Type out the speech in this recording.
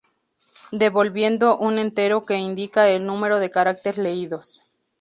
Devolviendo: un entero, que índica el número de caracteres leídos.